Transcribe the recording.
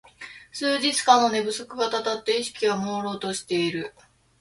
数日間の寝不足がたたって意識がもうろうとしている